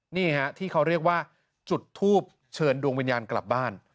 นี่ฮะที่เขาเรียกว่าจุดทูบเชิญดวงวิญญาณกลับบ้าน